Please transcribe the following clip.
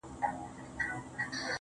ايوب مايوس دی او خوشال يې پر څنگل ژاړي,